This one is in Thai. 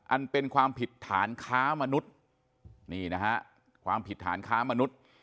อันเป็นความผิดฐานค้ามนุษย์